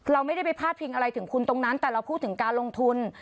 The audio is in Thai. เราไม่ได้ไปพาดพิงอะไรถึงคุณตรงนั้นแต่เราพูดถึงการลงทุน